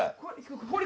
これ。